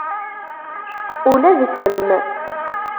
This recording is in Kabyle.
Ula d kemm.